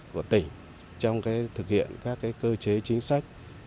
của tỉnh trong thực hiện các cơ chế chính sách